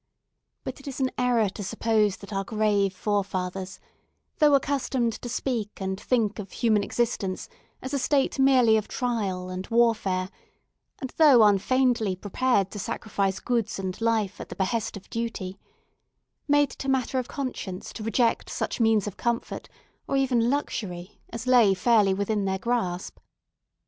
But it is an error to suppose that our great forefathers—though accustomed to speak and think of human existence as a state merely of trial and warfare, and though unfeignedly prepared to sacrifice goods and life at the behest of duty—made it a matter of conscience to reject such means of comfort, or even luxury, as lay fairly within their grasp.